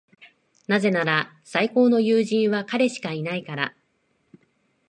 なぜなら、最高の友人は彼しかいないから。